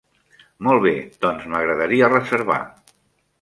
Molt bé, doncs m'agradaria reservar.